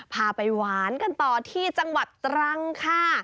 พาไปหวานกันต่อที่จังหวัดตรังค่ะ